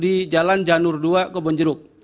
kantor di jalan janur dua ke bonjeruk